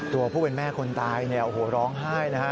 ตัวผู้เป็นแม่คนตายโอ้โฮร้องไห้นะ